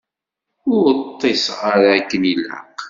Ur ṭṭiseɣ ara akken ilaq.